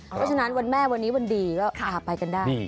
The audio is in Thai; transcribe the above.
เพราะฉะนั้นวันแม่วันนี้วันดีก็พาไปกันได้